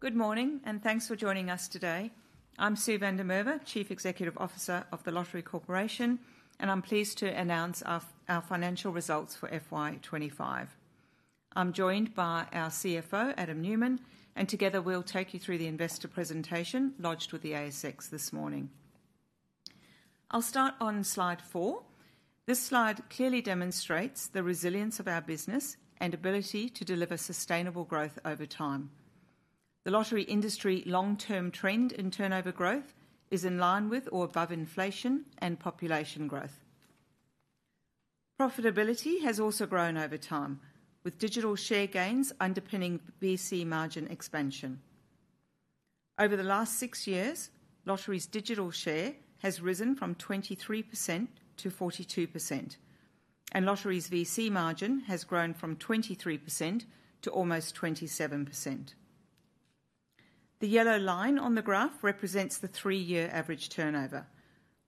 Good morning and thanks for joining us today. I'm Sue van der Merwe, Chief Executive Officer of The Lottery Corporation, and I'm pleased to announce our financial results for FY 2025. I'm joined by our CFO, Adam Newman, and together we'll take you through the investor presentation lodged with the ASX this morning. I'll start on slide 4. This slide clearly demonstrates the resilience of our business and ability to deliver sustainable growth over time. The lottery industry's long-term trend in turnover growth is in line with or above inflation and population growth. Profitability has also grown over time, with digital share gains underpinning VC margin expansion. Over the last six years, Lottery's digital share has risen from 23% to 42%, and Lottery's VC margin has grown from 23% to almost 27%. The yellow line on the graph represents the three-year average turnover,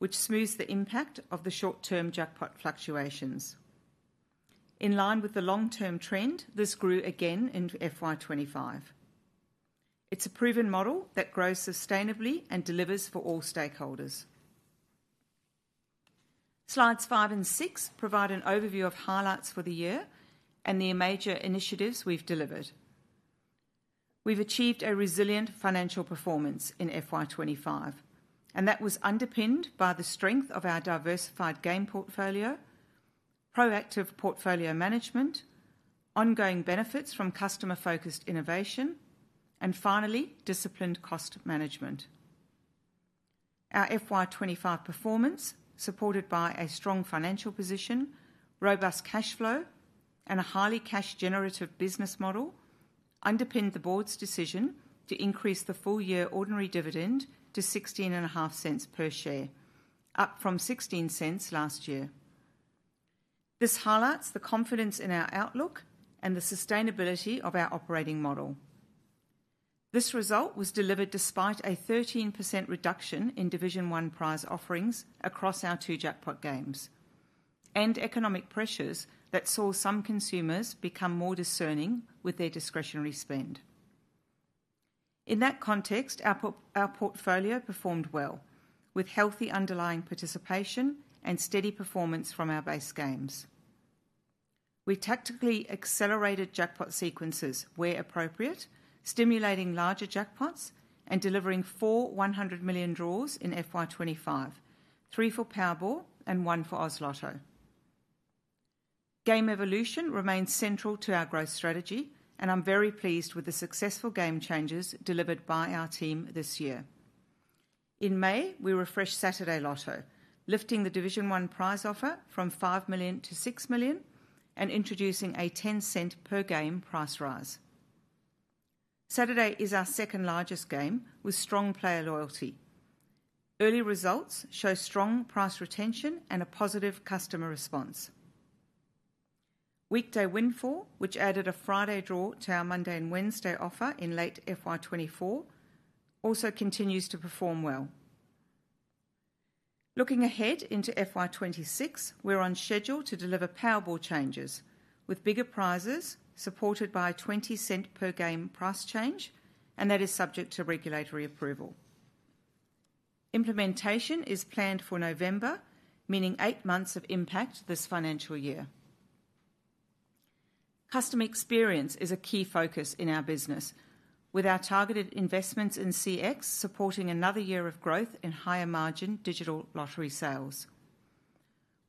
which smooths the impact of the short-term jackpot fluctuations. In line with the long-term trend, this grew again in FY 2025. It's a proven model that grows sustainably and delivers for all stakeholders. Slides 5 and 6 provide an overview of highlights for the year and the major initiatives we've delivered. We've achieved a resilient financial performance in FY 2025, and that was underpinned by the strength of our diversified game portfolio, proactive portfolio management, ongoing benefits from customer-focused innovation, and finally, disciplined cost management. Our FY 2025 performance, supported by a strong financial position, robust cash flow, and a highly cash-generative business model, underpinned the board's decision to increase the full-year ordinary dividend to 0.165 per share, up from 0.16 last year. This highlights the confidence in our outlook and the sustainability of our operating model. This result was delivered despite a 13% reduction in Division 1 prize offerings across our two jackpot games, and economic pressures that saw some consumers become more discerning with their discretionary spend. In that context, our portfolio performed well, with healthy underlying participation and steady performance from our base games. We tactically accelerated jackpot sequences where appropriate, stimulating larger jackpots and delivering four 100 million draws in FY 2025, three for Powerball and one for Oz Lotto. Game evolution remains central to our growth strategy, and I'm very pleased with the successful game changes delivered by our team this year. In May, we refreshed Saturday Lotto, lifting the Division 1 prize offer from 5 million to 6 million and introducing a 0.10 per game price rise. Saturday is our second largest game, with strong player loyalty. Early results show strong price retention and a positive customer response. Weekday Windfall, which added a Friday draw to our Monday and Wednesday offer in late FY 2024, also continues to perform well. Looking ahead into FY 2026, we're on schedule to deliver Powerball changes, with bigger prizes supported by a 0.20 per game price change, and that is subject to regulatory approval. Implementation is planned for November, meaning eight months of impact this financial year. Customer experience is a key focus in our business, with our targeted investments in CX supporting another year of growth in higher margin digital lottery sales.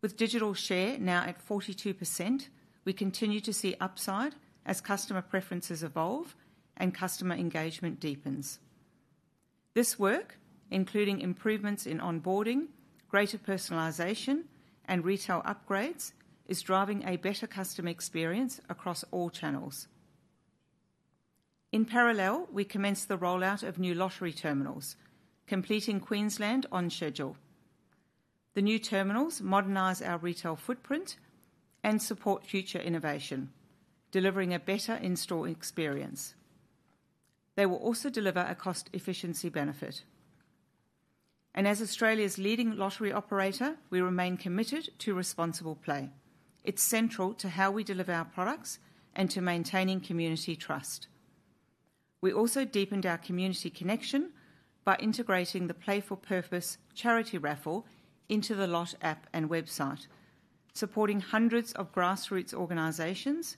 With digital share now at 42%, we continue to see upside as customer preferences evolve and customer engagement deepens. This work, including improvements in onboarding, greater personalization, and retail upgrades, is driving a better customer experience across all channels. In parallel, we commenced the rollout of new lottery terminals, completing Queensland on schedule. The new terminals modernize our retail footprint and support future innovation, delivering a better in-store experience. They will also deliver a cost-efficiency benefit. As Australia's leading lottery operator, we remain committed to responsible play. It's central to how we deliver our products and to maintaining community trust. We also deepened our community connection by integrating the Play for Purpose charity raffle into The Lott app and website, supporting hundreds of grassroots organizations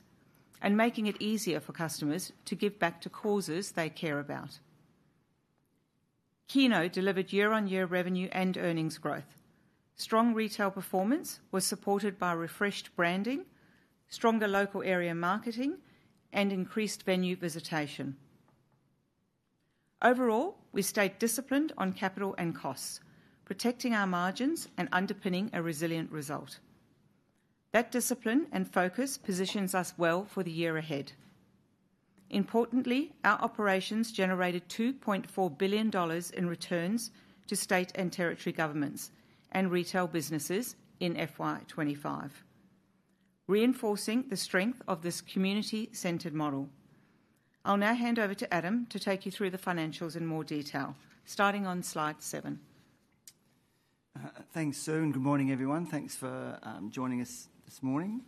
and making it easier for customers to give back to causes they care about. Keno delivered year-on-year revenue and earnings growth. Strong retail performance was supported by refreshed branding, stronger local area marketing, and increased venue visitation. Overall, we stayed disciplined on capital and costs, protecting our margins and underpinning a resilient result. That discipline and focus positions us well for the year ahead. Importantly, our operations generated 2.4 billion dollars in returns to state and territory governments and retail businesses in FY 2025, reinforcing the strength of this community-centered model. I'll now hand over to Adam to take you through the financials in more detail, starting on slide 7. Thanks, Sue. Good morning, everyone. Thanks for joining us this morning.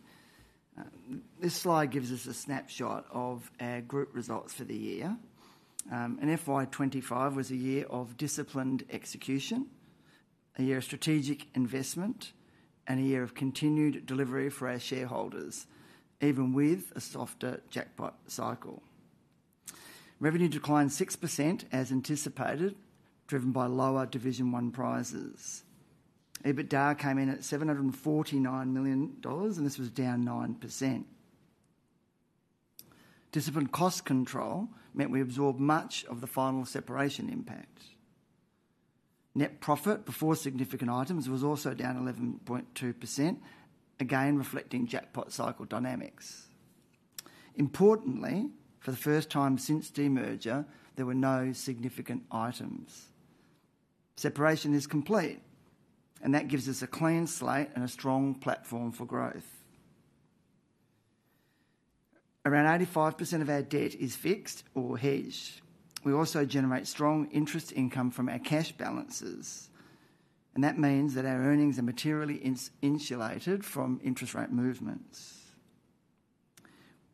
This slide gives us a snapshot of our group results for the year. FY 2025 was a year of disciplined execution, a year of strategic investment, and a year of continued delivery for our shareholders, even with a softer jackpot cycle. Revenue declined 6% as anticipated, driven by lower Division 1 prizes. EBITDA came in at 749 million dollars, and this was down 9%. Disciplined cost control meant we absorbed much of the final separation impact. Net profit before significant items was also down 11.2%, again, reflecting jackpot cycle dynamics. Importantly, for the first time since demerger, there were no significant items. Separation is complete, and that gives us a clean slate and a strong platform for growth. Around 85% of our debt is fixed or hedged. We also generate strong interest income from our cash balances, and that means that our earnings are materially insulated from interest rate movements.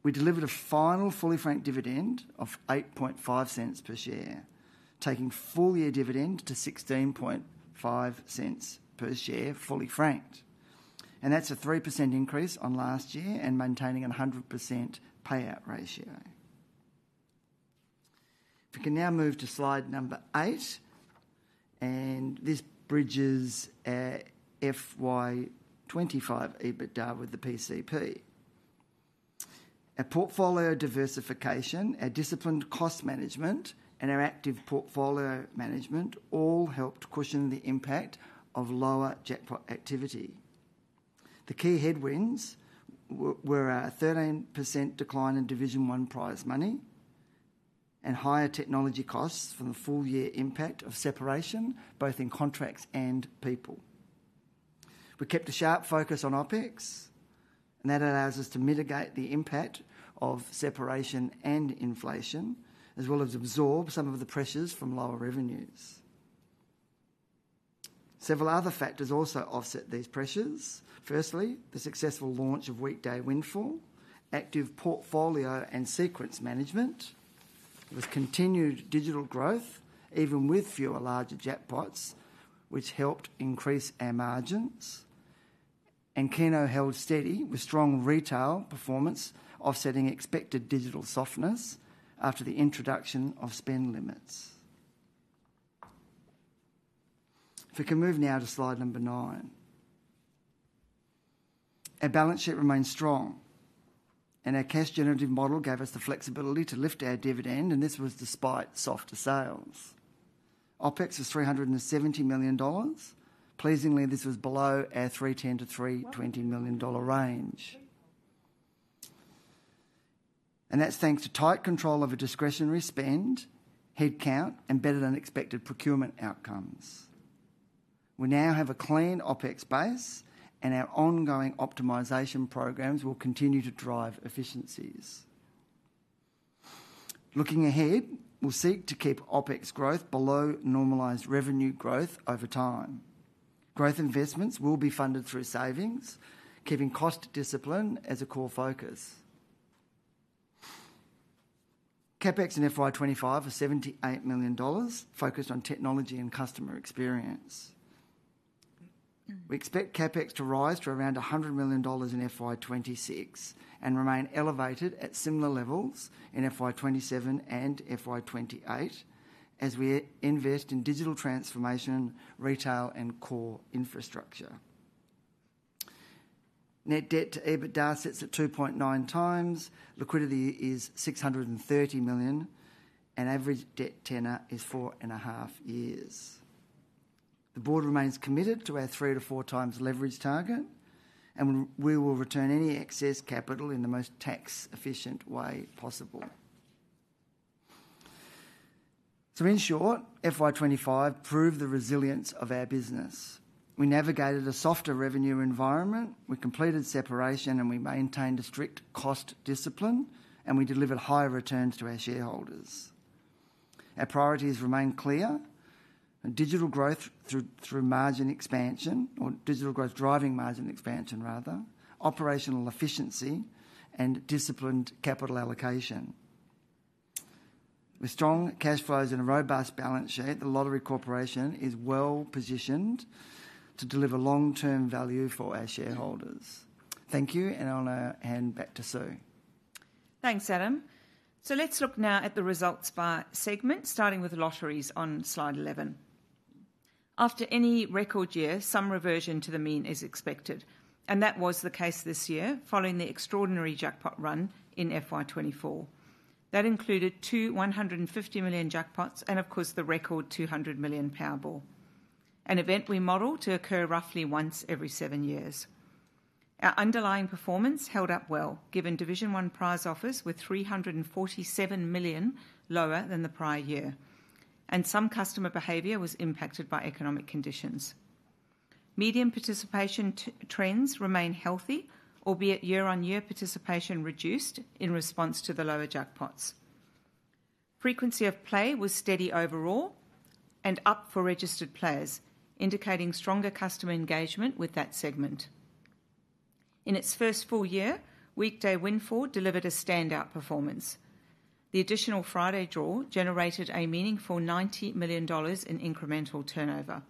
We delivered a final fully franked dividend of 0.085 per share, taking full-year dividend to 0.165 per share fully franked. That's a 3% increase on last year and maintaining a 100% payout ratio. We can now move to slide number 8, and this bridges our FY 2025 EBITDA with the PCP. Our portfolio diversification, our disciplined cost management, and our active portfolio management all helped cushion the impact of lower jackpot activity. The key headwinds were a 13% decline in Division 1 prize money and higher technology costs from the full-year impact of separation, both in contracts and people. We kept a sharp focus on OpEx, and that allows us to mitigate the impact of separation and inflation, as well as absorb some of the pressures from lower revenues. Several other factors also offset these pressures. Firstly, the successful launch of Weekday Windfall, active portfolio and sequence management, with continued digital growth, even with fewer larger jackpots, which helped increase our margins. Keno held steady with strong retail performance, offsetting expected digital softness after the introduction of spend limits. We can move now to slide number 9. Our balance sheet remains strong, and our cash-generative model gave us the flexibility to lift our dividend, and this was despite softer sales. OpEx was 370 million dollars. Pleasingly, this was below our 310 million-320 million dollar range. That's thanks to tight control over discretionary spend, headcount, and better than expected procurement outcomes. We now have a clean OpEx base, and our ongoing optimization programs will continue to drive efficiencies. Looking ahead, we'll seek to keep OpEx growth below normalized revenue growth over time. Growth investments will be funded through savings, keeping cost discipline as a core focus. CapEx in FY 2025 is 78 million dollars, focused on technology and customer experience. We expect CapEx to rise to around 100 million dollars in FY 2026 and remain elevated at similar levels in FY 2027 and FY 2028 as we invest in digital transformation, retail, and core infrastructure. Net debt to EBITDA sits at 2.9x, liquidity is 630 million, and average debt tenor is four and a half years. The board remains committed to our three to four times leverage target, and we will return any excess capital in the most tax-efficient way possible. In short, FY 2025 proved the resilience of our business. We navigated a softer revenue environment, we completed separation, we maintained a strict cost discipline, and we delivered higher returns to our shareholders. Our priorities remain clear: digital growth driving margin expansion, operational efficiency, and disciplined capital allocation. With strong cash flows and a robust balance sheet, The Lottery Corporation is well positioned to deliver long-term value for our shareholders. Thank you, and I'll now hand back to Sue. Thanks, Adam. Let's look now at the results by segment, starting with lotteries on slide 11. After any record year, some reversion to the mean is expected, and that was the case this year following the extraordinary jackpot run in FY 2024. That included two 150 million jackpots and, of course, the record 200 million Powerball, an event we model to occur roughly once every seven years. Our underlying performance held up well, given Division 1 prize offers were 347 million lower than the prior year, and some customer behavior was impacted by economic conditions. Median participation trends remain healthy, albeit year-on-year participation reduced in response to the lower jackpots. Frequency of play was steady overall and up for registered players, indicating stronger customer engagement with that segment. In its first full year, Weekday Windfall delivered a standout performance. The additional Friday draw generated a meaningful 90 million dollars in incremental turnover.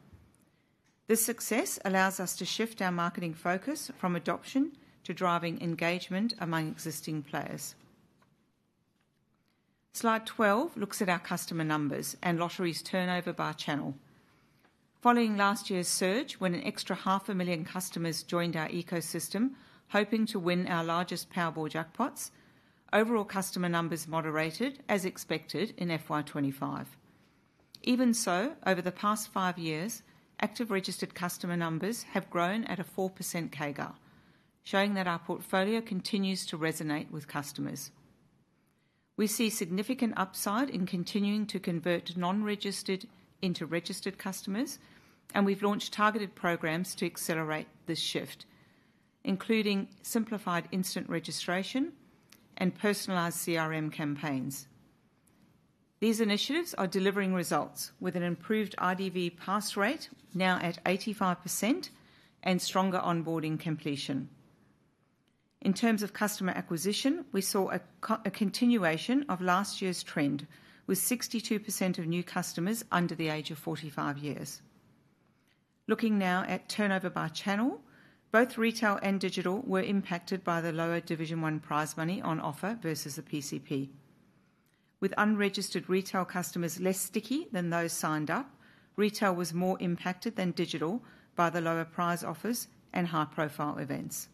This success allows us to shift our marketing focus from adoption to driving engagement among existing players. slide 12 looks at our customer numbers and lottery's turnover by channel. Following last year's surge, when an extra half a million customers joined our ecosystem, hoping to win our largest Powerball jackpots, overall customer numbers moderated, as expected, in FY 2025. Even so, over the past five years, active registered customer numbers have grown at a 4% CAGR, showing that our portfolio continues to resonate with customers. We see significant upside in continuing to convert non-registered into registered customers, and we've launched targeted programs to accelerate this shift, including simplified instant registration and personalized CRM campaigns. These initiatives are delivering results with an improved IDV pass rate now at 85% and stronger onboarding completion. In terms of customer acquisition, we saw a continuation of last year's trend, with 62% of new customers under the age of 45 years. Looking now at turnover by channel, both retail and digital were impacted by the lower Division 1 prize money on offer versus the PCP. With unregistered retail customers less sticky than those signed up, retail was more impacted than digital by the lower prize offers and high-profile events.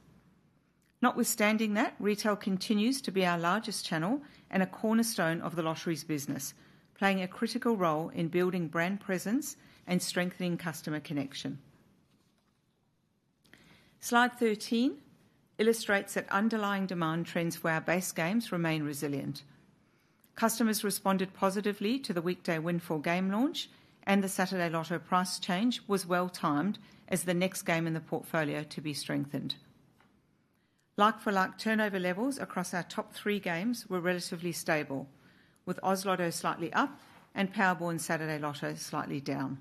Notwithstanding that, retail continues to be our largest channel and a cornerstone of the lottery's business, playing a critical role in building brand presence and strengthening customer connection. slide 13 illustrates that underlying demand trends for our base games remain resilient. Customers responded positively to the Weekday Windfall game launch, and the Saturday Lotto price change was well-timed as the next game in the portfolio to be strengthened. Like for like, turnover levels across our top three games were relatively stable, with Oz Lotto slightly up and Powerball and Saturday Lotto slightly down.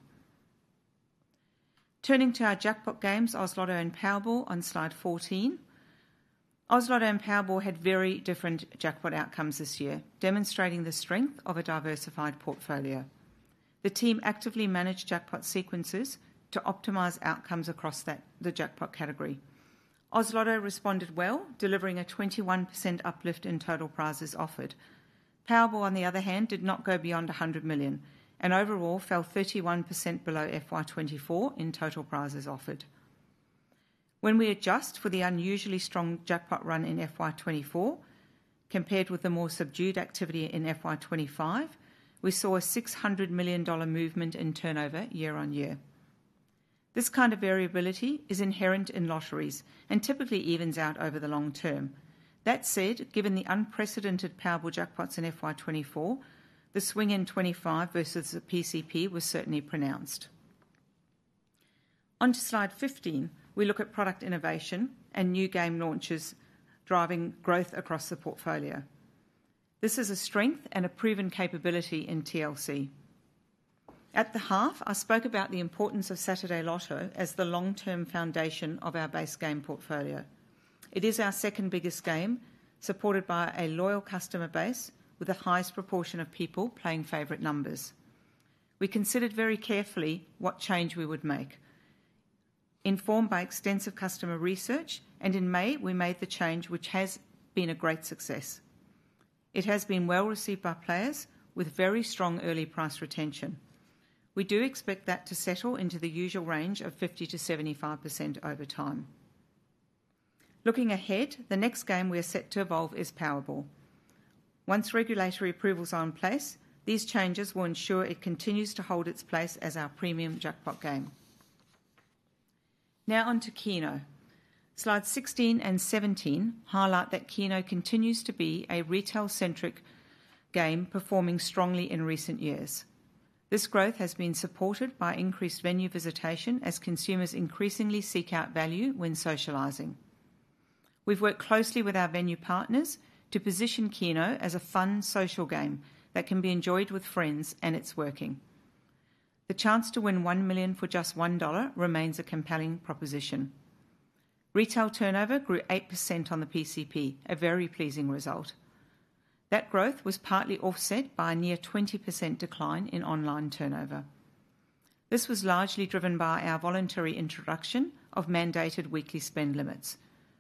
Turning to our jackpot games, Oz Lotto and Powerball on slide 14, Oz Lotto and Powerball had very different jackpot outcomes this year, demonstrating the strength of a diversified portfolio. The team actively managed jackpot sequences to optimize outcomes across the jackpot category. Oz Lotto responded well, delivering a 21% uplift in total prizes offered. Powerball, on the other hand, did not go beyond 100 million and overall fell 31% below FY 2024 in total prizes offered. When we adjust for the unusually strong jackpot run in FY 2024, compared with the more subdued activity in FY 2025, we saw a 600 million dollar movement in turnover year-on-year. This kind of variability is inherent in lotteries and typically evens out over the long term. That said, given the unprecedented Powerball jackpots in FY 2024, the swing in 2025 versus the PCP was certainly pronounced. Onto slide 15, we look at product innovation and new game launches driving growth across the portfolio. This is a strength and a proven capability in TLC. At the half, I spoke about the importance of Saturday Lotto as the long-term foundation of our base game portfolio. It is our second biggest game, supported by a loyal customer base with the highest proportion of people playing favorite numbers. We considered very carefully what change we would make, informed by extensive customer research, and in May, we made the change, which has been a great success. It has been well received by players, with very strong early price retention. We do expect that to settle into the usual range of 50%-75% over time. Looking ahead, the next game we are set to evolve is Powerball. Once regulatory approvals are in place, these changes will ensure it continues to hold its place as our premium jackpot game. Now on to Keno. Slides 16 and 17 highlight that Keno continues to be a retail-centric game, performing strongly in recent years. This growth has been supported by increased venue visitation as consumers increasingly seek out value when socializing. We've worked closely with our venue partners to position Keno as a fun, social game that can be enjoyed with friends, and it's working. The chance to win 1 million for just 1 dollar remains a compelling proposition. Retail turnover grew 8% on the PCP, a very pleasing result. That growth was partly offset by a near 20% decline in online turnover. This was largely driven by our voluntary introduction of mandated weekly spend limits,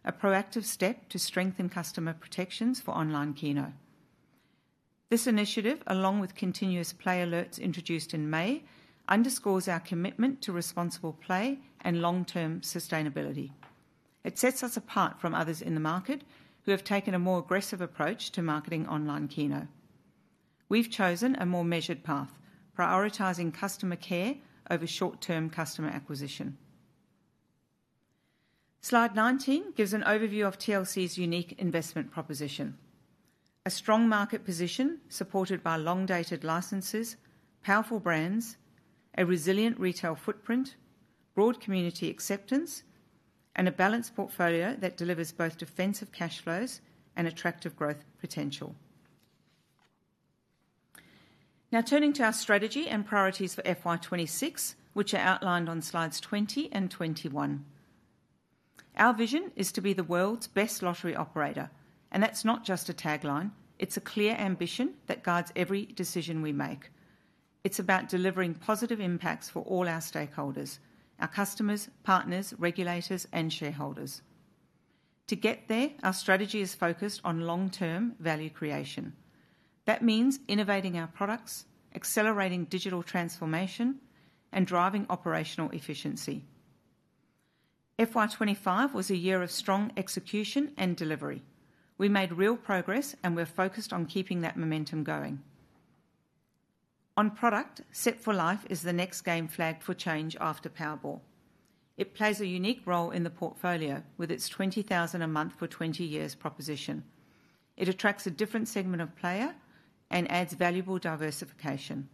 a proactive step to strengthen customer protections for online Keno. This initiative, along with continuous play alerts introduced in May, underscores our commitment to responsible play and long-term sustainability. It sets us apart from others in the market who have taken a more aggressive approach to marketing online Keno. We've chosen a more measured path, prioritizing customer care over short-term customer acquisition. Slide 19 gives an overview of TLC's unique investment proposition: a strong market position supported by long-dated licenses, powerful brands, a resilient retail footprint, broad community acceptance, and a balanced portfolio that delivers both defensive cash flows and attractive growth potential. Now, turning to our strategy and priorities for FY 2026, which are outlined on slides 20 and 21. Our vision is to be the world's best lottery operator, and that's not just a tagline; it's a clear ambition that guides every decision we make. It's about delivering positive impacts for all our stakeholders: our customers, partners, regulators, and shareholders. To get there, our strategy is focused on long-term value creation. That means innovating our products, accelerating digital transformation, and driving operational efficiency. FY 2025 was a year of strong execution and delivery. We made real progress, and we're focused on keeping that momentum going. On product, Set for Life is the next game flagged for change after Powerball. It plays a unique role in the portfolio with its 20,000 a month for 20 years proposition. It attracts a different segment of player and adds valuable diversification.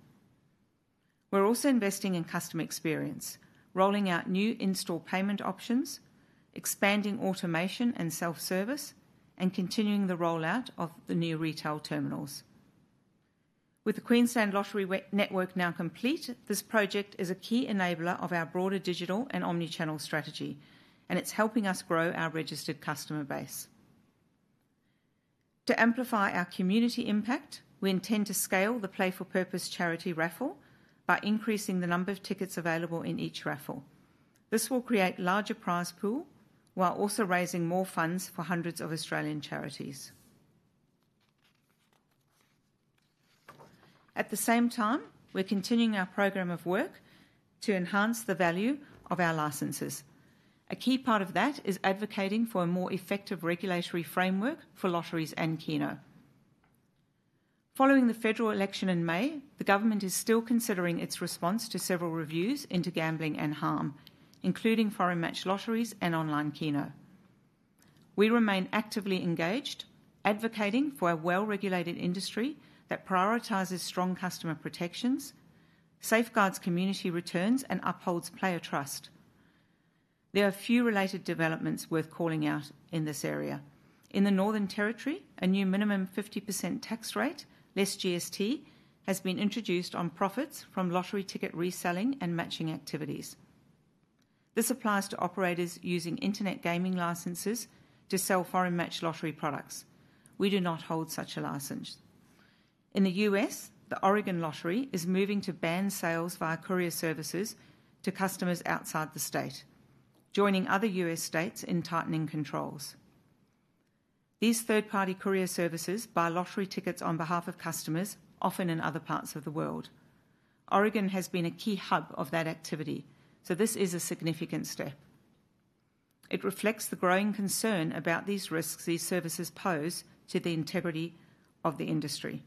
We're also investing in customer experience, rolling out new in-store payment options, expanding automation and self-service, and continuing the rollout of the new retail terminals. With the Queensland lottery network now complete, this project is a key enabler of our broader digital and omnichannel strategy, and it's helping us grow our registered customer base. To amplify our community impact, we intend to scale the Play for Purpose charity raffle by increasing the number of tickets available in each raffle. This will create a larger prize pool while also raising more funds for hundreds of Australian charities. At the same time, we're continuing our program of work to enhance the value of our licenses. A key part of that is advocating for a more effective regulatory framework for lotteries and Keno. Following the federal election in May, the government is still considering its response to several reviews into gambling and harm, including foreign match lotteries and online Keno. We remain actively engaged, advocating for a well-regulated industry that prioritizes strong customer protections, safeguards community returns, and upholds player trust. There are a few related developments worth calling out in this area. In the Northern Territory, a new minimum 50% tax rate, less GST, has been introduced on profits from lottery ticket reselling and matching activities. This applies to operators using internet gaming licenses to sell foreign match lottery products. We do not hold such a license. In the U.S., the Oregon Lottery is moving to ban sales via courier services to customers outside the state, joining other U.S. states in tightening controls. These third-party courier services buy lottery tickets on behalf of customers, often in other parts of the world. Oregon has been a key hub of that activity, so this is a significant step. It reflects the growing concern about the risks these services pose to the integrity of the industry.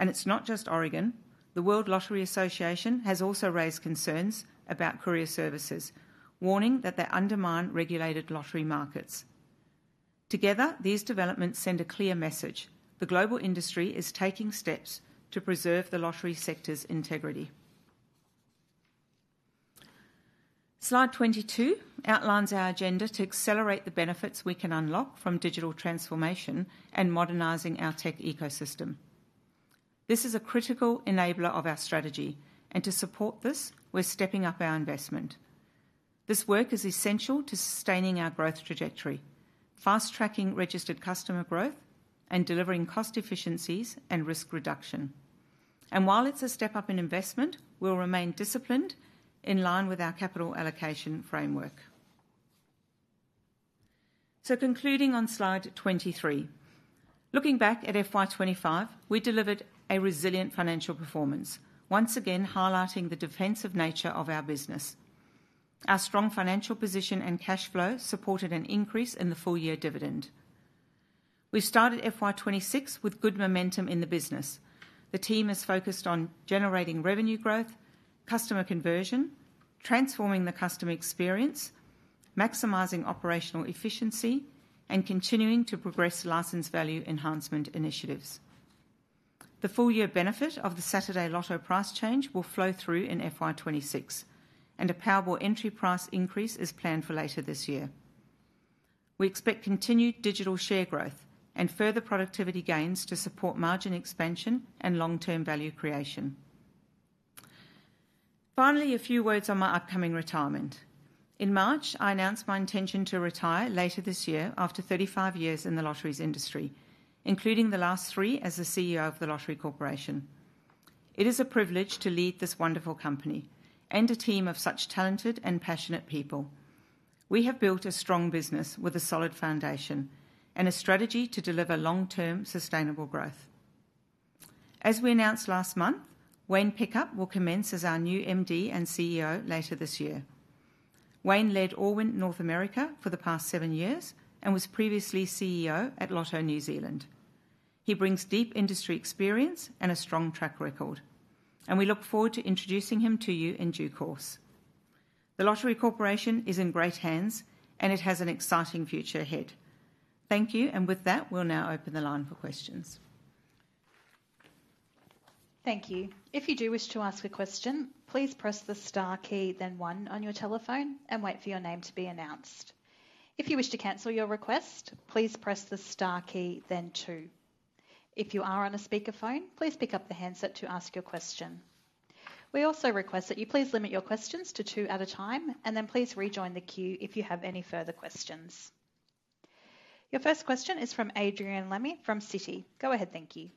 It is not just Oregon. The World Lottery Association has also raised concerns about courier services, warning that they undermine regulated lottery markets. Together, these developments send a clear message: the global industry is taking steps to preserve the lottery sector's integrity. Slide 22 outlines our agenda to accelerate the benefits we can unlock from digital transformation and modernizing our tech ecosystem. This is a critical enabler of our strategy, and to support this, we're stepping up our investment. This work is essential to sustaining our growth trajectory, fast-tracking registered customer growth, and delivering cost efficiencies and risk reduction. While it's a step up in investment, we'll remain disciplined in line with our capital allocation framework. Concluding on slide 23, looking back at FY 2025, we delivered a resilient financial performance, once again highlighting the defensive nature of our business. Our strong financial position and cash flow supported an increase in the full year dividend. We've started FY 2026 with good momentum in the business. The team is focused on generating revenue growth, customer conversion, transforming the customer experience, maximizing operational efficiency, and continuing to progress license value enhancement initiatives. The full year benefit of the Saturday Lotto price change will flow through in FY 2026, and a Powerball entry price increase is planned for later this year. We expect continued digital share growth and further productivity gains to support margin expansion and long-term value creation. Finally, a few words on my upcoming retirement. In March, I announced my intention to retire later this year after 35 years in the lotteries industry, including the last three as the CEO of The Lottery Corporation. It is a privilege to lead this wonderful company and a team of such talented and passionate people. We have built a strong business with a solid foundation and a strategy to deliver long-term sustainable growth. As we announced last month, Wayne Pickup will commence as our new MD and CEO later this year. Wayne led Allwyn North America for the past seven years and was previously CEO at Lotto New Zealand. He brings deep industry experience and a strong track record, and we look forward to introducing him to you in due course. The Lottery Corporation is in great hands, and it has an exciting future ahead. Thank you, and with that, we'll now open the line for questions. Thank you. If you do wish to ask a question, please press the star key, then one on your telephone, and wait for your name to be announced. If you wish to cancel your request, please press the star key, then two. If you are on a speakerphone, please pick up the handset to ask your question. We also request that you please limit your questions to two at a time, and then please rejoin the queue if you have any further questions. Your first question is from Adrian Lemme from Citi. Go ahead, thank you.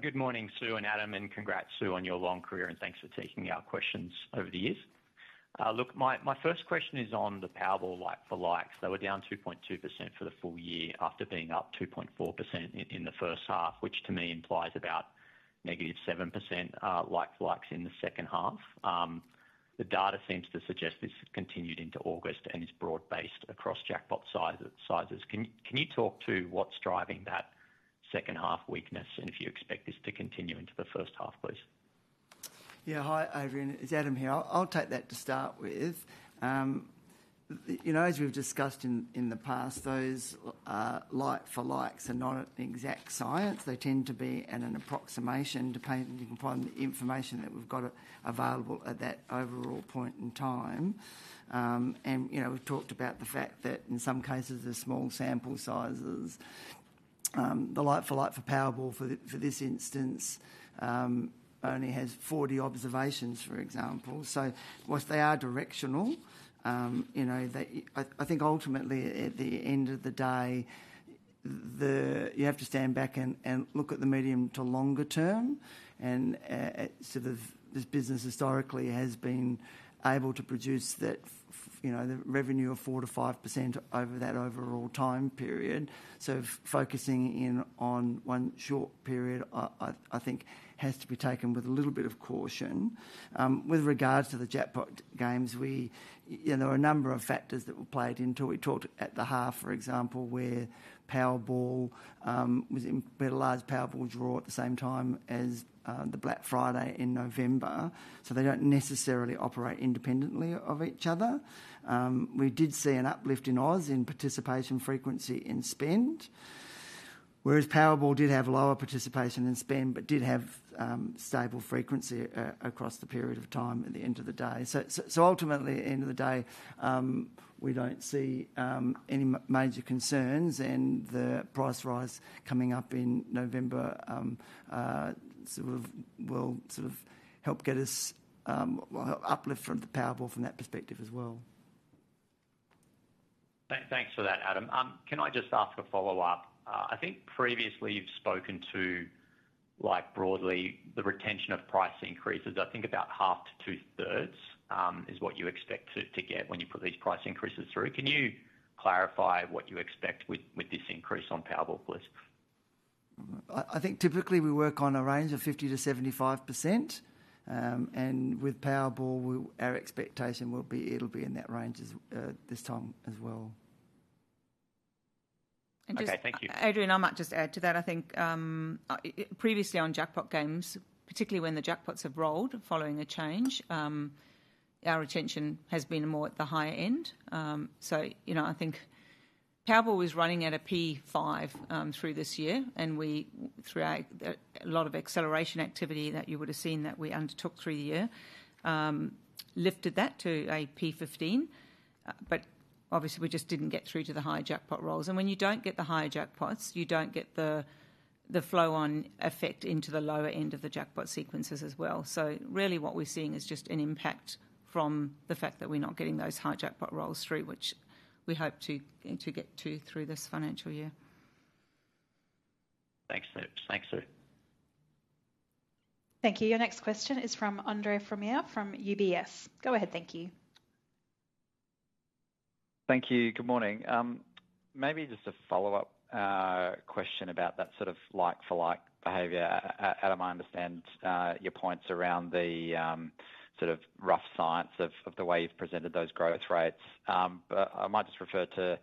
Good morning, Sue and Adam, and congrats, Sue, on your long career, and thanks for taking our questions over the years. My first question is on the Powerball like-for-likes. They were down 2.2% for the full year after being up 2.4% in the first half, which to me implies about -7% like-for-likes in the second half. The data seems to suggest this continued into August and is broad-based across jackpot sizes. Can you talk to what's driving that second half weakness and if you expect this to continue into the first half, please? Yeah, hi, Adrian. It's Adam here. I'll take that to start with. As we've discussed in the past, those like-for-likes are not an exact science. They tend to be an approximation depending upon the information that we've got available at that overall point in time. We've talked about the fact that in some cases the small sample sizes, the like-for-like for Powerball for this instance only has 40 observations, for example. Whilst they are directional, I think ultimately at the end of the day, you have to stand back and look at the medium to longer term. This business historically has been able to produce that, the revenue of 4%-5% over that overall time period. Focusing in on one short period, I think, has to be taken with a little bit of caution. With regards to the jackpot games, there are a number of factors that were played into it. We talked at the half, for example, where Powerball was in, we had a large Powerball draw at the same time as the Black Friday in November. They don't necessarily operate independently of each other. We did see an uplift in odds in participation frequency and spend, whereas Powerball did have lower participation and spend but did have stable frequency across the period of time at the end of the day. Ultimately, at the end of the day, we don't see any major concerns, and the price rise coming up in November will sort of help get us, will help uplift the Powerball from that perspective as well. Thanks for that, Adam. Can I just ask a follow-up? I think previously you've spoken to, like, broadly the retention of price increases. I think about half to 2/3 is what you expect to get when you put these price increases through. Can you clarify what you expect with this increase on Powerball, please? I think typically we work on a range of 50%-75%, and with Powerball, our expectation will be it'll be in that range this time as well. Okay, thank you. Adrian, I might just add to that. I think previously on jackpot games, particularly when the jackpots have rolled following a change, our retention has been more at the higher end. You know, I think Powerball was running at a P5 through this year, and we, through a lot of acceleration activity that you would have seen that we undertook through the year, lifted that to a P15. Obviously, we just didn't get through to the higher jackpot rolls. When you don't get the higher jackpots, you don't get the flow-on effect into the lower end of the jackpot sequences as well. Really, what we're seeing is just an impact from the fact that we're not getting those high jackpot rolls through, which we hope to get to through this financial year. Thanks, Sue. Thank you. Your next question is from Andre Fromyhr from UBS. Go ahead, thank you. Thank you. Good morning. Maybe just a follow-up question about that sort of like-for-like behavior. Adam, I understand your points around the sort of rough science of the way you've presented those growth rates. I might just refer to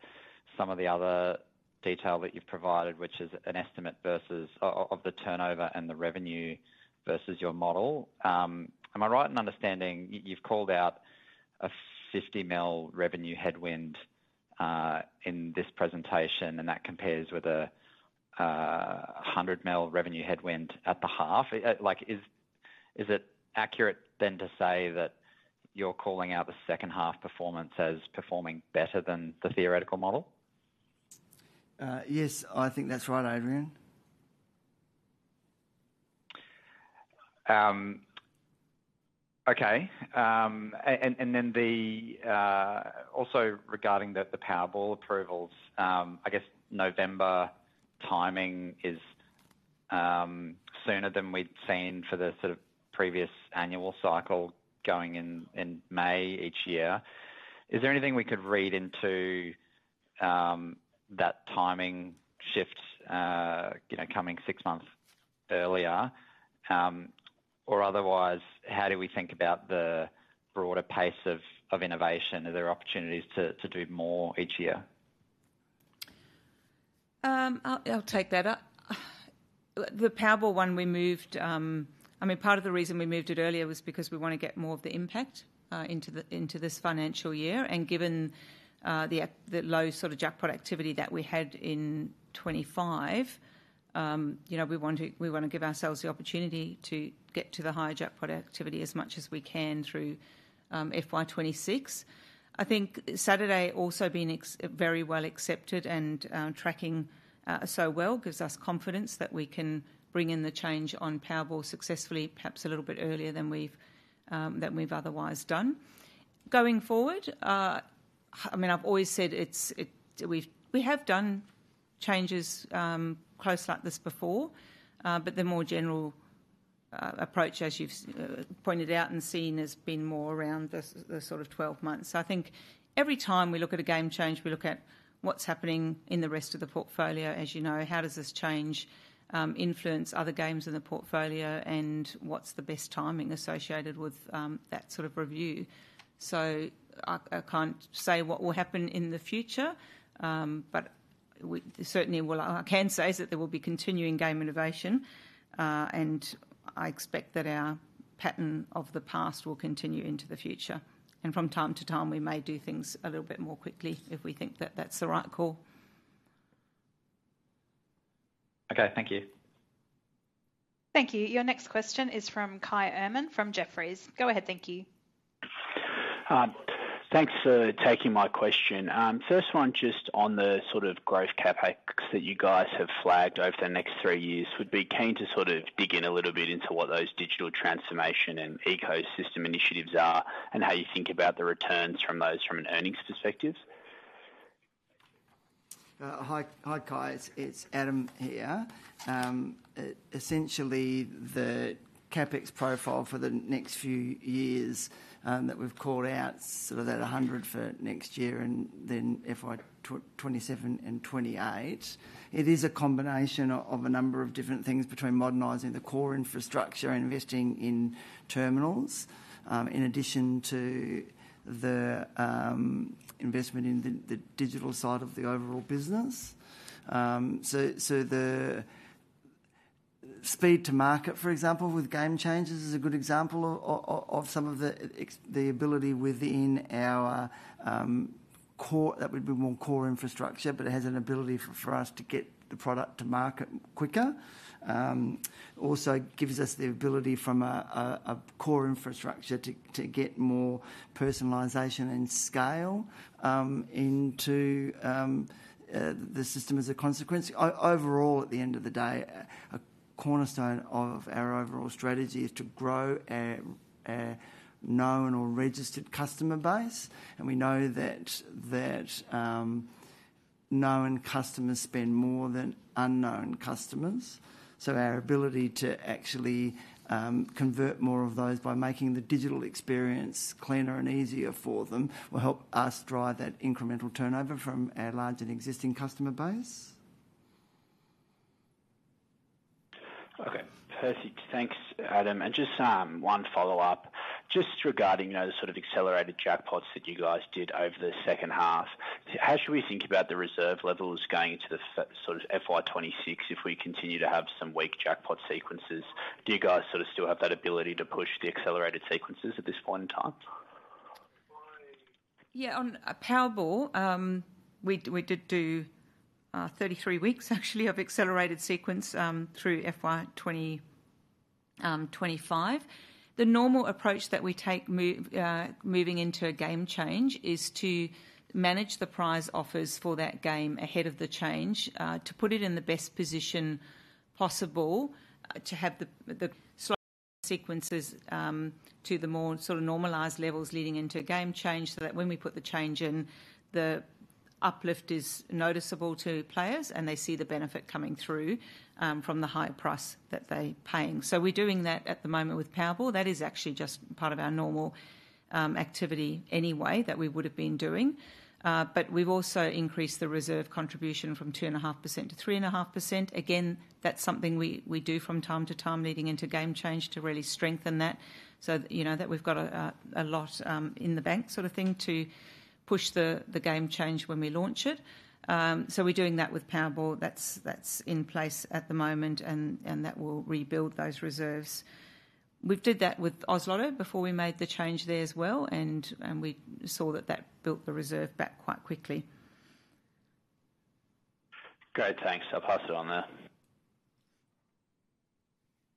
some of the other detail that you've provided, which is an estimate versus the turnover and the revenue versus your model. Am I right in understanding you've called out a 50 million revenue headwind in this presentation, and that compares with a 100 million revenue headwind at the half? Is it accurate then to say that you're calling out the second half performance as performing better than the theoretical model? Yes, I think that's right, Adrian. Okay. Also, regarding the Powerball approvals, I guess November timing is sooner than we'd seen for the sort of previous annual cycle going in May each year. Is there anything we could read into that timing shift, you know, coming six months earlier? Otherwise, how do we think about the broader pace of innovation? Are there opportunities to do more each year? I'll take that. The Powerball one we moved, I mean, part of the reason we moved it earlier was because we want to get more of the impact into this financial year. Given the low sort of jackpot activity that we had in 2025, you know, we want to give ourselves the opportunity to get to the higher jackpot activity as much as we can through FY 2026. I think Saturday also being very well accepted and tracking so well gives us confidence that we can bring in the change on Powerball successfully, perhaps a little bit earlier than we've otherwise done. Going forward, I've always said we have done changes close like this before, but the more general approach, as you've pointed out and seen, has been more around the sort of 12 months. I think every time we look at a game change, we look at what's happening in the rest of the portfolio. As you know, how does this change influence other games in the portfolio and what's the best timing associated with that sort of review? I can't say what will happen in the future, but certainly what I can say is that there will be continuing game innovation, and I expect that our pattern of the past will continue into the future. From time to time, we may do things a little bit more quickly if we think that that's the right call. Okay, thank you. Thank you. Your next question is from Kai Erman from Jefferies. Go ahead, thank you. Thanks for taking my question. First one, just on the sort of growth CapEx that you guys have flagged over the next three years, would be keen to dig in a little bit into what those digital transformation and ecosystem initiatives are and how you think about the returns from those from an earnings perspective. Hi, Kai. It's Adam here. Essentially, the CapEx profile for the next few years that we've called out, sort of that 100 million for next year and then FY 2027 and 2028, it is a combination of a number of different things between modernizing the core infrastructure and investing in terminals, in addition to the investment in the digital side of the overall business. The speed to market, for example, with game changes is a good example of some of the ability within our core, that would be more core infrastructure, but it has an ability for us to get the product to market quicker. It also gives us the ability from a core infrastructure to get more personalization and scale into the system as a consequence. Overall, at the end of the day, a cornerstone of our overall strategy is to grow a known or registered customer base. We know that known customers spend more than unknown customers. Our ability to actually convert more of those by making the digital experience cleaner and easier for them will help us drive that incremental turnover from a large and existing customer base. Okay, perfect. Thanks, Adam. Just one follow-up, just regarding those sort of accelerated jackpots that you guys did over the second half, how should we think about the reserve levels going into the sort of FY 2026 if we continue to have some weak jackpot sequences? Do you guys sort of still have that ability to push the accelerated sequences at this point in time? Yeah, on Powerball, we did do 33 weeks, actually, of accelerated sequence through FY 2025. The normal approach that we take moving into a game change is to manage the prize offers for that game ahead of the change, to put it in the best position possible, to have the slot sequences to the more sort of normalized levels leading into a game change so that when we put the change in, the uplift is noticeable to players and they see the benefit coming through from the higher price that they're paying. We're doing that at the moment with Powerball. That is actually just part of our normal activity anyway that we would have been doing. We've also increased the reserve contribution from 2.5% to 3.5%. Again, that's something we do from time to time leading into game change to really strengthen that. You know, that we've got a lot in the bank sort of thing to push the game change when we launch it. We're doing that with Powerball. That's in place at the moment, and that will rebuild those reserves. We did that with Oz Lotto before we made the change there as well, and we saw that that built the reserve back quite quickly. Great, thanks. I'll pop that on there.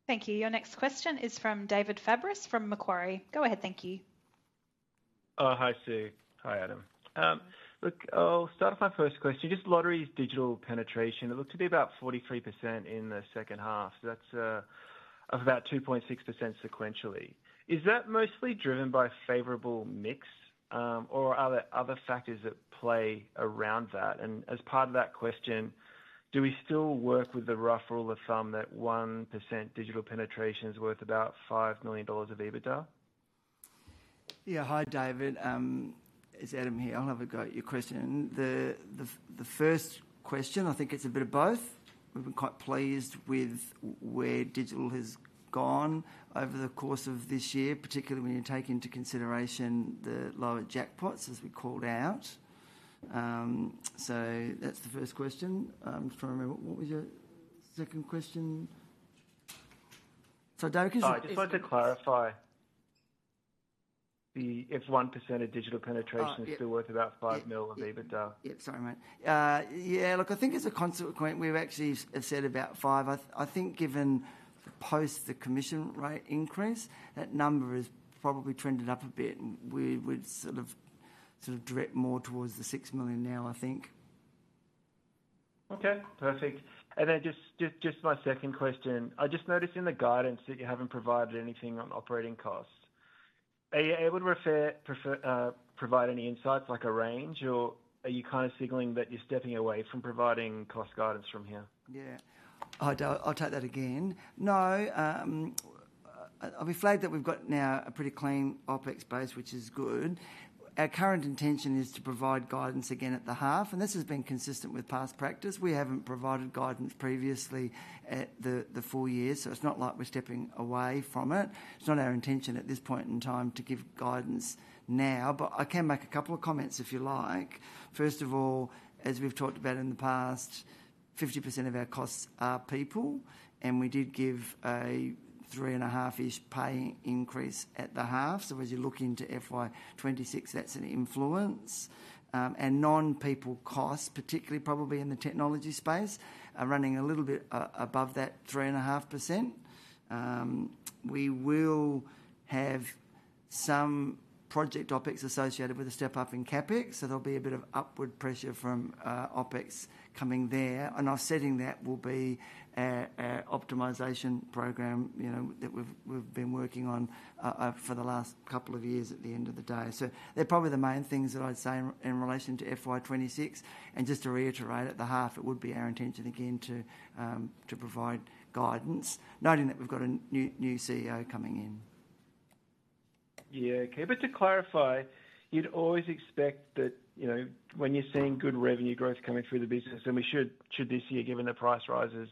Thank you. Your next question is from David Fabris from Macquarie. Go ahead, thank you. Hi, Sue. Hi, Adam. I'll start off my first question. Just lottery's digital penetration. It looked to be about 43% in the second half. That's up about 2.6% sequentially. Is that mostly driven by a favorable mix, or are there other factors at play around that? As part of that question, do we still work with the rough rule of thumb that 1% digital penetration is worth about 5 million dollars of EBITDA? Yeah, hi, David. It's Adam here. I'll have a go at your question. The first question, I think it's a bit of both. We've been quite pleased with where digital has gone over the course of this year, particularly when you take into consideration the lower jackpots as we called out. That's the first question. I'm trying to remember what was your second question? Sorry, David, could you repeat that? I just wanted to clarify if 1% of digital penetration is still worth about 5 million of EBITDA. Yeah, sorry mate. I think it's a consequence. We've actually said about 5 million. I think given the post-commission rate increase, that number has probably trended up a bit, and we would drift more towards the 6 million now, I think. Okay, perfect. Just my second question. I noticed in the guidance that you haven't provided anything on operating costs. Are you able to provide any insights, like a range, or are you kind of signaling that you're stepping away from providing cost guidance from here? No, we flagged that we've got now a pretty clean OpEx base, which is good. Our current intention is to provide guidance again at the half, and this has been consistent with past practice. We haven't provided guidance previously at the full year, so it's not like we're stepping away from it. It's not our intention at this point in time to give guidance now, but I can make a couple of comments if you like. First of all, as we've talked about in the past, 50% of our costs are people, and we did give a 3.5% pay increase at the half. As you look into FY 2026, that's an influence. Non-people costs, particularly probably in the technology space, are running a little bit above that 3.5%. We will have some project OpEx associated with a step up in CapEx, so there'll be a bit of upward pressure from OpEx coming there. Our setting that will be our optimization program that we've been working on for the last couple of years at the end of the day. They're probably the main things that I'd say in relation to FY2026. Just to reiterate, at the half, it would be our intention again to provide guidance, noting that we've got a new CEO coming in. Yeah, keep it to clarify. You'd always expect that, you know, when you're seeing good revenue growth coming through the business, and we should this year, given the price rises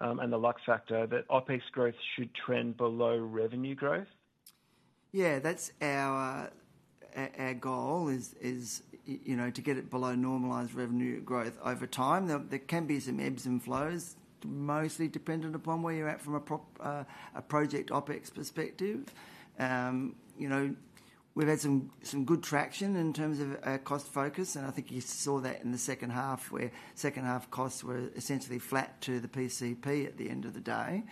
and the luck factor, that OpEx growth should trend below revenue growth. Yeah, that's our goal, you know, to get it below normalized revenue growth over time. There can be some ebbs and flows too, mostly dependent upon where you're at from a project OpEx perspective. We've had some good traction in terms of our cost focus, and I think you saw that in the second half, where second half costs were essentially flat to the PCP at the end of the day.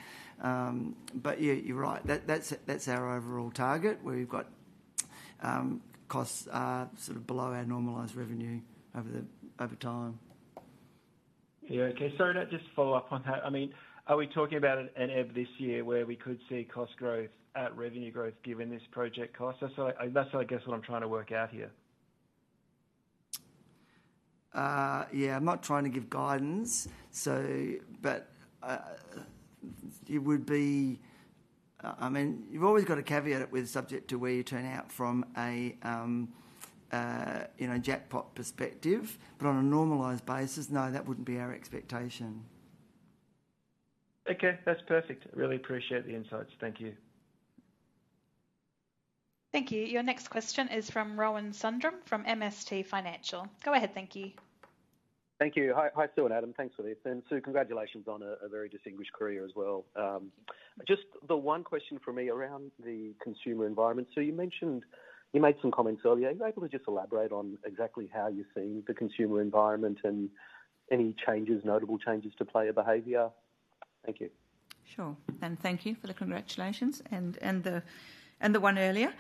Yeah, you're right, that's our overall target, where we've got costs sort of below our normalized revenue over time. Yeah, okay. Sorry, just to follow up on that. I mean, are we talking about an EBITDA this year where we could see cost growth at revenue growth given this project cost? That's I guess what I'm trying to work out here. I'm not trying to give guidance. It would be, I mean, you've always got to caveat it with subject to where you turn out from a, you know, jackpot perspective. On a normalized basis, no, that wouldn't be our expectation. Okay, that's perfect. I really appreciate the insights. Thank you. Thank you. Your next question is from Rohan Sundram from MST Financial. Go ahead, thank you. Thank you. Hi, Sue and Adam. Thanks for this. Sue, congratulations on a very distinguished career as well. Just the one question for me around the consumer environment. You mentioned you made some comments earlier. Are you able to just elaborate on exactly how you're seeing the consumer environment and any changes, notable changes to player behavior? Thank you. Sure. Thank you for the congratulations and the one earlier.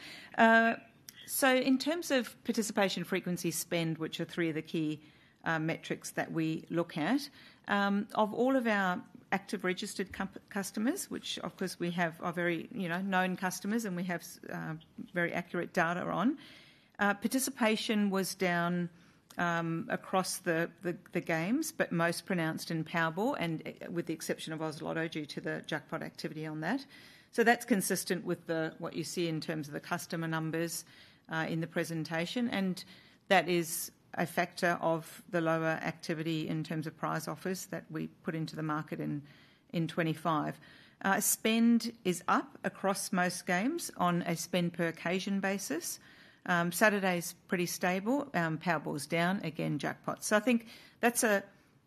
In terms of participation, frequency, spend, which are three of the key metrics that we look at, of all of our active registered customers, which of course we have are very, you know, known customers and we have very accurate data on, participation was down across the games, but most pronounced in Powerball and with the exception of Oz Lotto due to the jackpot activity on that. That is consistent with what you see in terms of the customer numbers in the presentation. That is a factor of the lower activity in terms of prize offers that we put into the market in 2025. Spend is up across most games on a spend per occasion basis. Saturday's pretty stable. Powerball's down. Again, jackpot. I think that's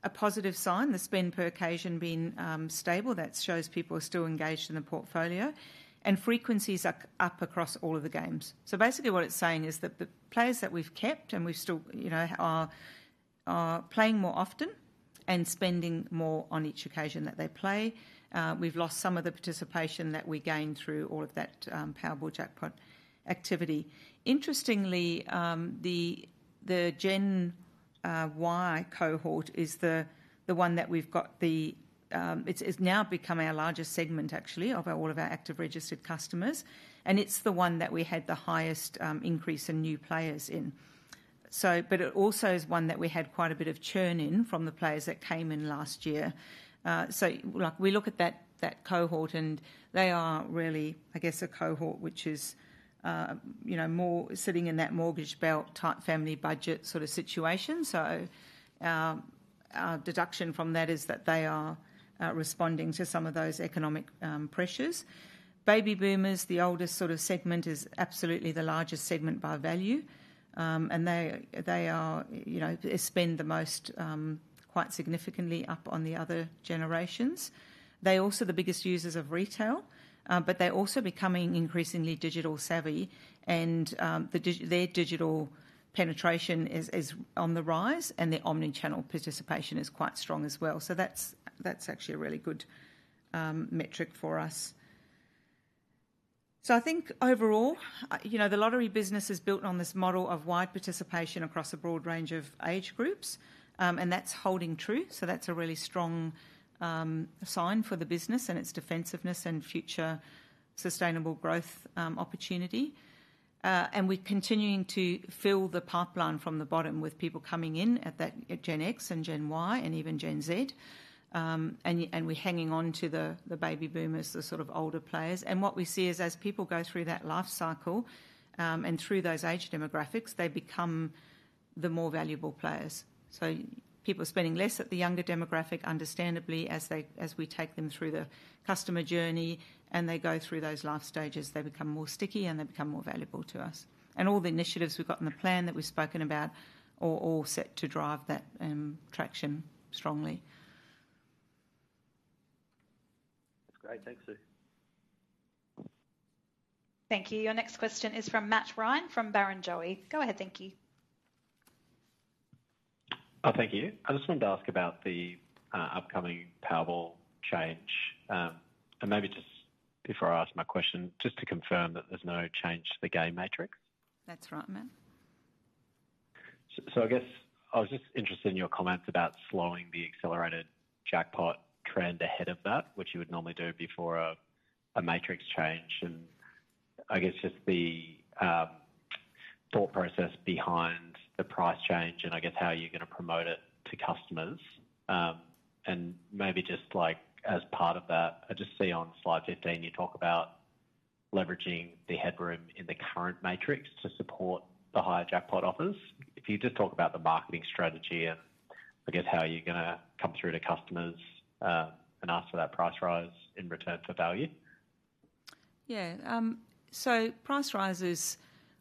a positive sign. The spend per occasion being stable, that shows people are still engaged in the portfolio. Frequency's up across all of the games. Basically what it's saying is that the players that we've kept and we've still, you know, are playing more often and spending more on each occasion that they play. We've lost some of the participation that we gained through all of that Powerball jackpot activity. Interestingly, the Gen Y cohort is the one that we've got the, it's now become our largest segment actually of all of our active registered customers. It's the one that we had the highest increase in new players in. It also is one that we had quite a bit of churn in from the players that came in last year. We look at that cohort and they are really, I guess, a cohort which is, you know, more sitting in that mortgage belt type family budget sort of situation. Our deduction from that is that they are responding to some of those economic pressures. Baby boomers, the oldest sort of segment, is absolutely the largest segment by value. They spend the most, quite significantly up on the other generations. They're also the biggest users of retail, but they're also becoming increasingly digital savvy. Their digital penetration is on the rise and their omnichannel participation is quite strong as well. That's actually a really good metric for us. I think overall, you know, the lottery business is built on this model of wide participation across a broad range of age groups. That's holding true. That's a really strong sign for the business and its defensiveness and future sustainable growth opportunity. We are continuing to fill the pipeline from the bottom with people coming in at Gen X, Gen Y, and even Gen Z. We are hanging on to the baby boomers, the sort of older players. What we see is as people go through that life cycle and through those age demographics, they become the more valuable players. People are spending less at the younger demographic, understandably, as we take them through the customer journey and they go through those life stages, they become more sticky and they become more valuable to us. All the initiatives we've got in the plan that we've spoken about are all set to drive that traction strongly. That's great. Thanks, Sue. Thank you. Your next question is from Matt Ryan from Barrenjoey. Go ahead, thank you. Thank you. I just wanted to ask about the upcoming Powerball change. Just before I ask my question, just to confirm that there's no change to the game matrix. That's right, Matt. I was just interested in your comments about slowing the accelerated jackpot trend ahead of that, which you would normally do before a matrix change. I guess just the thought process behind the price change and how you're going to promote it to customers. Maybe as part of that, I just see on slide 15 you talk about leveraging the headroom in the current matrix to support the higher jackpot offers. If you did talk about the marketing strategy, how are you going to come through to customers and ask for that price rise in return for value? Yeah. Price rises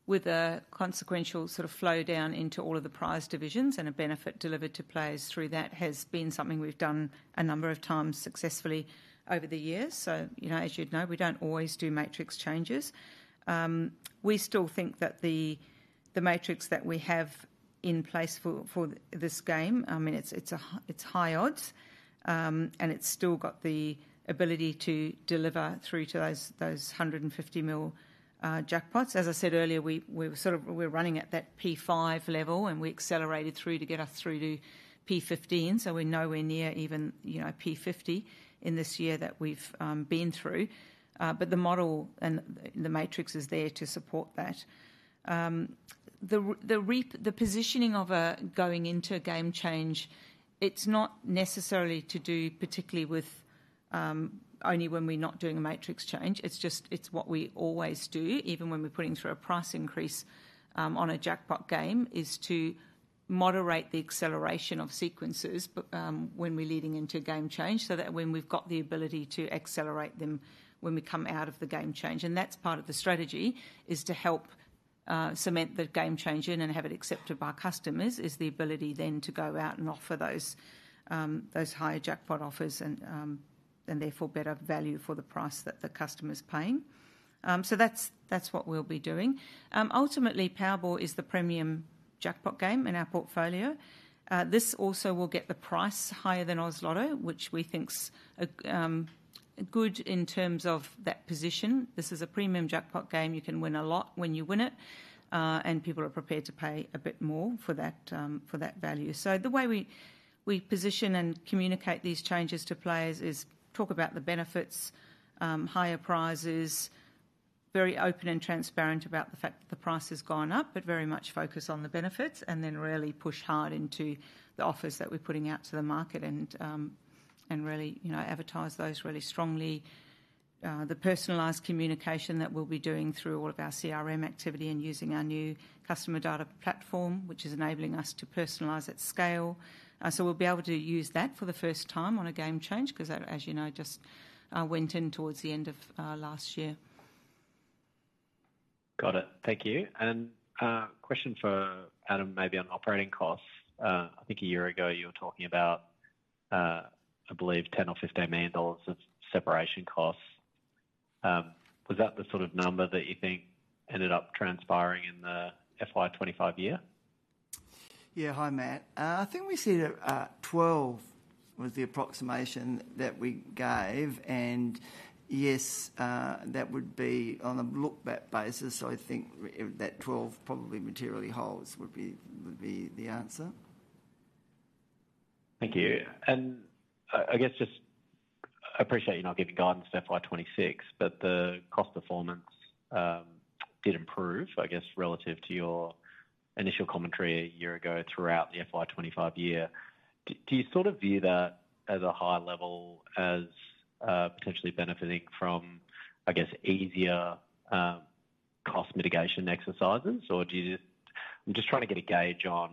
with a consequential sort of flow down into all of the prize divisions and a benefit delivered to players through that has been something we've done a number of times successfully over the years. As you'd know, we don't always do matrix changes. We still think that the matrix that we have in place for this game, I mean, it's high odds. It's still got the ability to deliver through to those 150 million jackpots. As I said earlier, we were running at that P5 level and we accelerated through to get us through to P15. We're nowhere near even P50 in this year that we've been through. The model and the matrix are there to support that. The positioning of going into a game change is not necessarily to do particularly with only when we're not doing a matrix change. It's what we always do, even when we're putting through a price increase on a jackpot game, to moderate the acceleration of sequences when we're leading into a game change so that we've got the ability to accelerate them when we come out of the game change. That's part of the strategy, to help cement the game change in and have it accepted by customers, the ability then to go out and offer those higher jackpot offers and therefore better value for the price that the customer's paying. That's what we'll be doing. Ultimately, Powerball is the premium jackpot game in our portfolio. This also will get the price higher than Oz Lotto, which we think is good in terms of that position. This is a premium jackpot game. You can win a lot when you win it, and people are prepared to pay a bit more for that value. The way we position and communicate these changes to players is talk about the benefits, higher prizes, very open and transparent about the fact that the price has gone up, but very much focus on the benefits and then really push hard into the offers that we're putting out to the market and really advertise those really strongly. The personalized communication that we'll be doing through all of our CRM activity and using our new customer data platform, which is enabling us to personalize at scale. We'll be able to use that for the first time on a game change because, as you know, it just went in towards the end of last year. Got it. Thank you. A question for Adam, maybe on operating costs. I think a year ago you were talking about, I believe, 10 million or 15 million dollars of separation costs. Was that the sort of number that you think ended up transpiring in the FY 2025 year? Yeah, hi Matt. I think we said 12 million was the approximation that we gave. Yes, that would be on a look-back basis. I think that 12 million probably materially holds would be the answer. Thank you. I appreciate you're not giving guidance to FY 2026, but the cost performance did improve, I guess, relative to your initial commentary a year ago throughout the FY 2025 year. Do you sort of view that at a higher level as potentially benefiting from, I guess, easier cost mitigation exercises? I'm just trying to get a gauge on,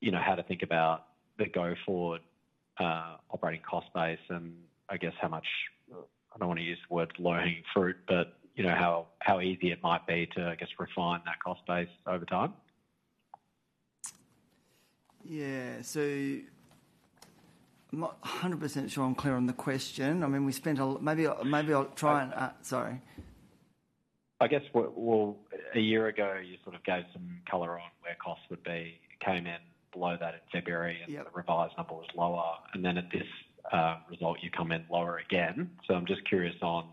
you know, how to think about the go forward operating cost base and how much, I don't want to use the word low hanging fruit, but you know, how easy it might be to refine that cost base over time. Yeah, I'm not 100% sure I'm clear on the question. I mean, we spent a lot. Maybe I'll try and, sorry. I guess a year ago you sort of gave some color on where costs would be, came in below that in February and the revised number was lower. At this result, you come in lower again. I'm just curious on,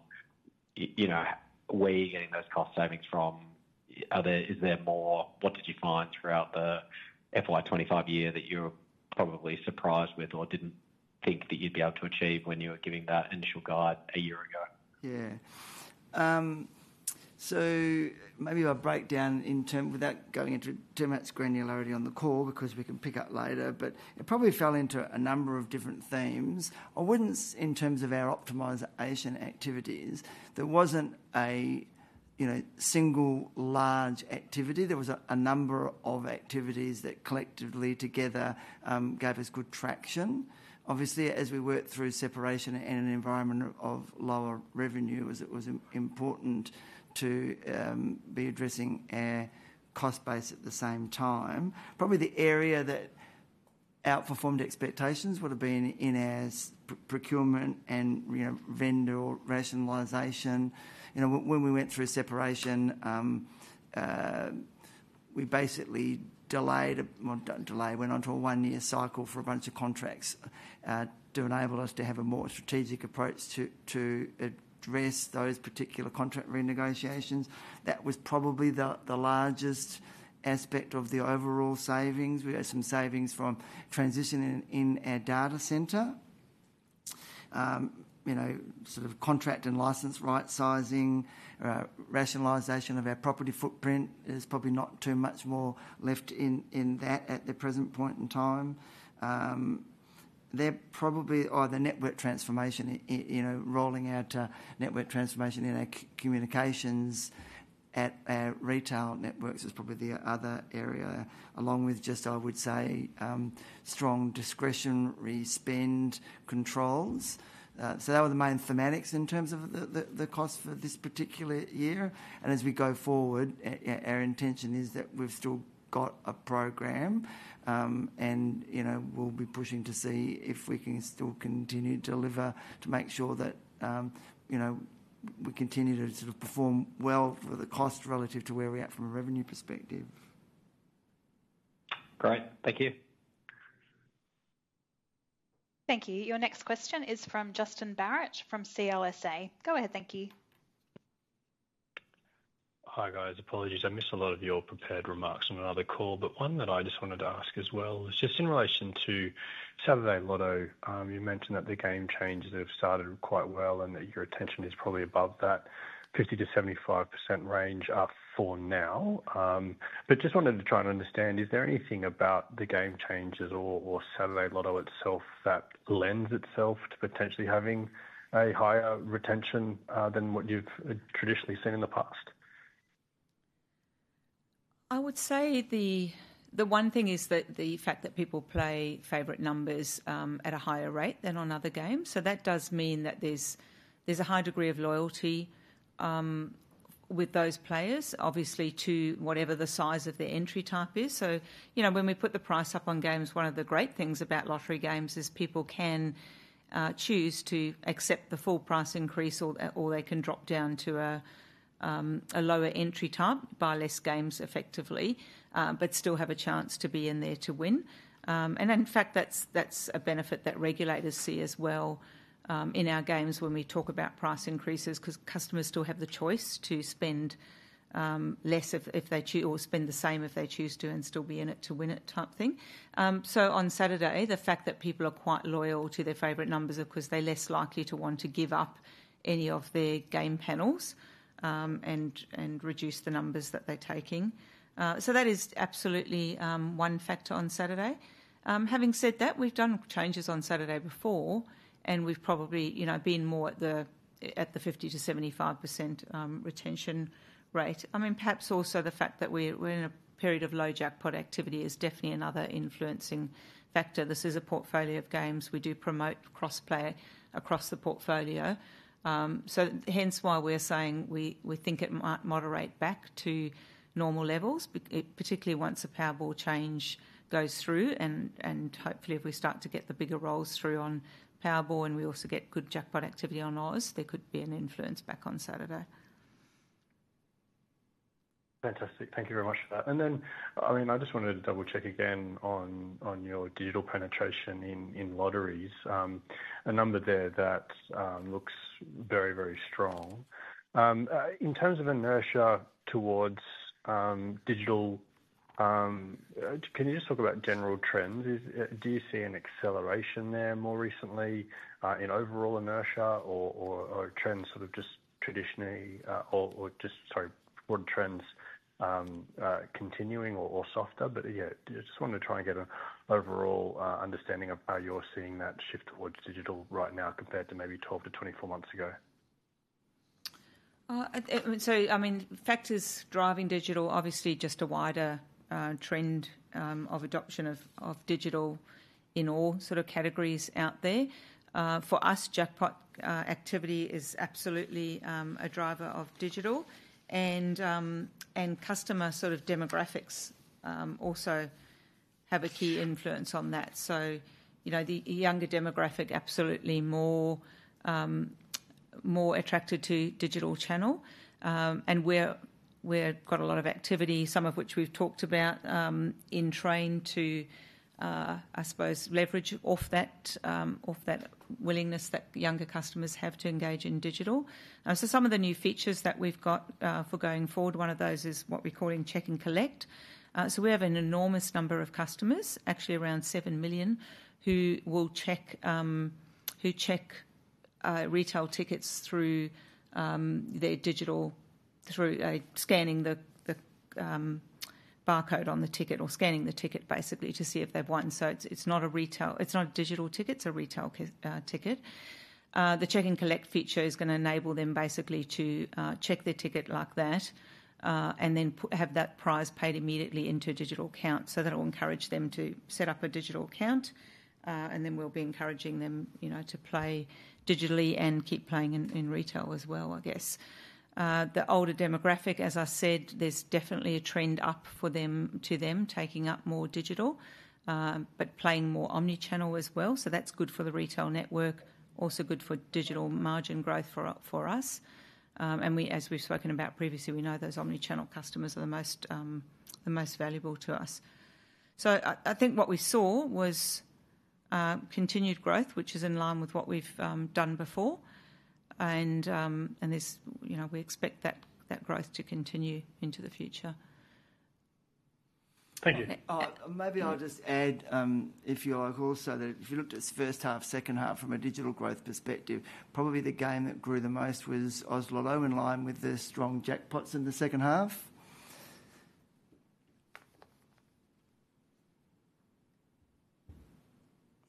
you know, where are you getting those cost savings from? Are there, is there more, what did you find throughout the FY 2025 year that you were probably surprised with or didn't think that you'd be able to achieve when you were giving that initial guide a year ago? Yeah. Maybe I'll break down in terms without going into too much granularity on the call because we can pick up later, but it probably fell into a number of different themes. In terms of our optimization activities, there wasn't a single large activity. There was a number of activities that collectively together gave us good traction. Obviously, as we worked through separation in an environment of lower revenue, it was important to be addressing our cost base at the same time. Probably the area that outperformed expectations would have been in our procurement and vendor rationalization. When we went through separation, we basically went onto a one-year cycle for a bunch of contracts to enable us to have a more strategic approach to address those particular contract renegotiations. That was probably the largest aspect of the overall savings. We had some savings from transitioning in our data center. Contract and license rightsizing, rationalization of our property footprint is probably not too much more left in that at the present point in time. There probably are the network transformation, rolling out to network transformation in our communications at our retail networks is probably the other area, along with just, I would say, strong discretionary spend controls. Those were the main thematics in terms of the cost for this particular year. As we go forward, our intention is that we've still got a program and we'll be pushing to see if we can still continue to deliver to make sure that we continue to sort of perform well for the cost relative to where we're at from a revenue perspective. Great. Thank you. Thank you. Your next question is from Justin Barratt from CLSA. Go ahead, thank you. Hi guys, apologies. I missed a lot of your prepared remarks on another call. One that I just wanted to ask as well was just in relation to Saturday Lotto. You mentioned that the game changes have started quite well and that your retention is probably above that 50%-75% range for now. I just wanted to try and understand, is there anything about the game changes or Saturday Lotto itself that lends itself to potentially having a higher retention than what you've traditionally seen in the past? I would say the one thing is that the fact that people play favorite numbers at a higher rate than on other games. That does mean that there's a high degree of loyalty with those players, obviously to whatever the size of the entry type is. When we put the price up on games, one of the great things about lottery games is people can choose to accept the full price increase or they can drop down to a lower entry type, buy less games effectively, but still have a chance to be in there to win. In fact, that's a benefit that regulators see as well in our games when we talk about price increases because customers still have the choice to spend less if they choose or spend the same if they choose to and still be in it to win it type thing. On Saturday, the fact that people are quite loyal to their favorite numbers is because they're less likely to want to give up any of their game panels and reduce the numbers that they're taking. That is absolutely one factor on Saturday. Having said that, we've done changes on Saturday before and we've probably been more at the 50%-75% retention rate. Perhaps also the fact that we're in a period of low jackpot activity is definitely another influencing factor. This is a portfolio of games. We do promote cross-play across the portfolio, hence why we're saying we think it might moderate back to normal levels, particularly once the Powerball change goes through. Hopefully, if we start to get the bigger rolls through on Powerball and we also get good jackpot activity on ours, there could be an influence back on Saturday. Fantastic. Thank you very much for that. I just wanted to double check again on your digital penetration in lotteries. A number there that looks very, very strong. In terms of inertia towards digital, can you just talk about general trends? Do you see an acceleration there more recently in overall inertia or trends sort of just traditionally, or just broad trends continuing or softer? I just wanted to try and get an overall understanding of how you're seeing that shift towards digital right now compared to maybe 12-24 months ago. Factors driving digital are obviously just a wider trend of adoption of digital in all categories out there. For us, jackpot activity is absolutely a driver of digital, and customer demographics also have a key influence on that. The younger demographic is absolutely more attracted to the digital channel, and we've got a lot of activity, some of which we've talked about, in train to leverage off that willingness that younger customers have to engage in digital. Some of the new features that we've got for going forward, one of those is what we're calling check and collect. We have an enormous number of customers, actually around 7 million, who check retail tickets through their digital, through scanning the barcode on the ticket or scanning the ticket, basically, to see if they've won. It's not a digital ticket, it's a retail ticket. The check and collect feature is going to enable them to check their ticket like that and then have that prize paid immediately into a digital account so that it will encourage them to set up a digital account. We'll be encouraging them to play digitally and keep playing in retail as well, I guess. The older demographic, as I said, there's definitely a trend up for them taking up more digital, but playing more omnichannel as well. That's good for the retail network and also good for digital margin growth for us. As we've spoken about previously, we know those omnichannel customers are the most valuable to us. I think what we saw was continued growth, which is in line with what we've done before, and we expect that growth to continue into the future. Thank you. Maybe I'll just add, if you like, also that if you looked at its first half, second half from a digital growth perspective, probably the game that grew the most was Oz Lotto, in line with the strong jackpots in the second half.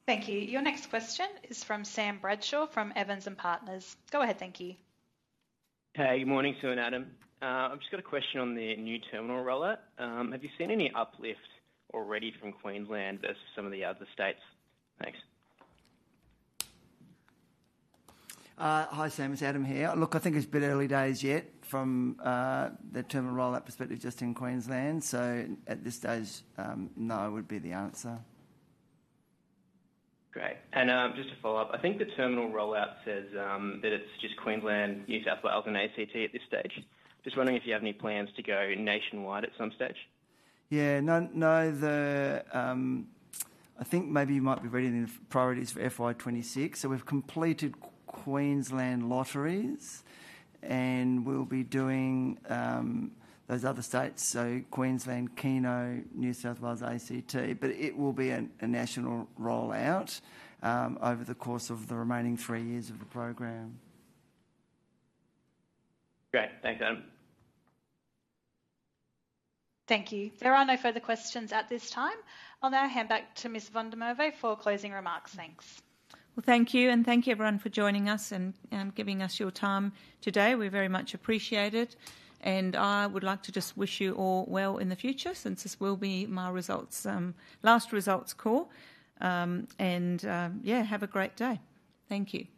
Thank you. Your next question is from Sam Bradshaw from Evans & Partners. Go ahead, thank you. Hey, good morning, Sue and Adam. I've just got a question on the new terminal rollout. Have you seen any uplift already from Queensland versus some of the other states? Hi Sam, it's Adam here. I think it's a bit early days yet from the terminal rollout perspective just in Queensland. At this stage, no, would be the answer. Great. Just to follow up, I think the terminal rollout says that it's just Queensland, New South Wales, and ACT at this stage. I'm just wondering if you have any plans to go nationwide at some stage. I think maybe you might be reading the priorities for FY 2026. We've completed Queensland lotteries and we'll be doing those other states. Queensland, Keno, New South Wales, ACT, but it will be a national rollout over the course of the remaining three years of the program. Great, thanks Adam. Thank you. There are no further questions at this time. I'll now hand back to Ms. van der Merwe for closing remarks. Thanks. Thank you and thank you everyone for joining us and giving us your time today. We very much appreciate it. I would like to just wish you all well in the future since this will be my last results call. Have a great day. Thank you. Goodbye.